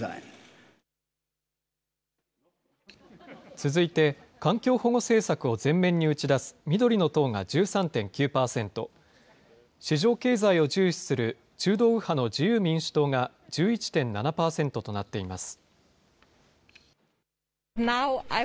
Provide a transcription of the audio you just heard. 続いて環境保護政策を前面に打ち出す緑の党が１３．９％、市場経済を重視する中道右派の自由民主党が１１．７％となっています。